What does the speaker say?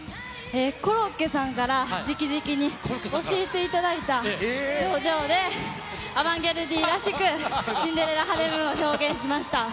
コロッケさんから、じきじきに教えていただいた表情で、アバンギャルディらしく、シンデレラ・ハネムーンを表現しました。